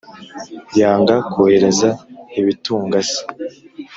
yanga kohereza ibitunga se.